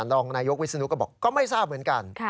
รองนายกวิศนุก็บอกก็ไม่ทราบเหมือนกัน